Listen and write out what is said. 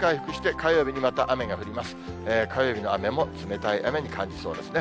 火曜日の雨も冷たい雨に感じそうですね。